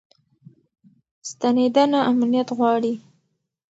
ستنېدنه امنیت غواړي.